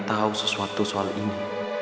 tahu sesuatu soal ini